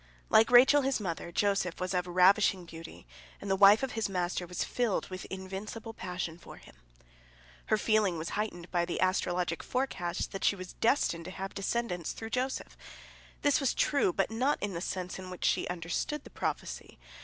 Like Rachel his mother, Joseph was of ravishing beauty, and the wife of his master was filled with invincible passion for him." Her feeling was heightened by the astrologic forecast that she was destined to have descendants through Joseph. This was true, but not in the sense in which she understood the prophecy.